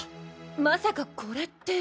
まさかコレって。